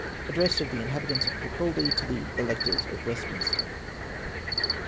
ADDRESS OF THE INHABITANTS OF KIRKALDY TO THE ELECTORS OF WESTMINSTER.